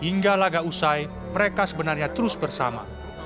hingga laga usai mereka sebenarnya terus bersama